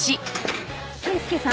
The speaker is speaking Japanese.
啓介さん。